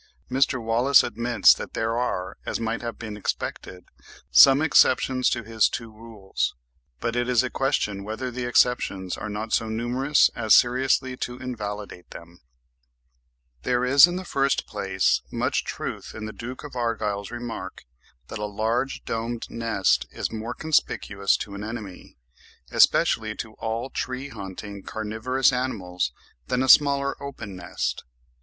Mr. Wallace admits that there are, as might have been expected, some exceptions to his two rules, but it is a question whether the exceptions are not so numerous as seriously to invalidate them. There is in the first place much truth in the Duke of Argyll's remark (10. 'Journal of Travel,' edited by A. Murray, vol. i. 1868, p. 281.) that a large domed nest is more conspicuous to an enemy, especially to all tree haunting carnivorous animals, than a smaller open nest.